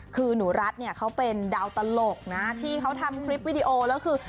คือหนูรัฐเนี่ยเขาเป็นดาวตลกนะที่เขาทำคลิปวิดีโอแล้วคือ